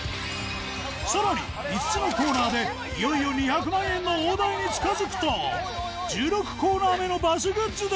さらに５つのコーナーでいよいよ２００万円の大台に近づくと１６コーナー目のバスグッズで！